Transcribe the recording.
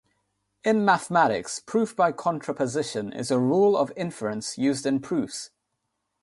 In mathematics, proof by contraposition is a rule of inference used in proofs.